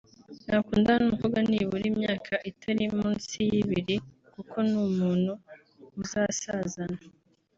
nakundana n’umukobwa nibura imyaka itari munsi y’ibiri kuko n’umuntu muzasazana